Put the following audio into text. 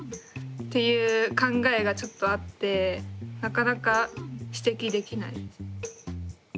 っていう考えがちょっとあってなかなか指摘できないです。